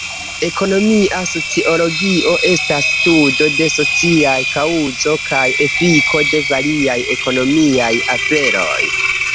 Ekonomia sociologio estas studo de sociaj kaŭzo kaj efiko de variaj ekonomiaj aferoj.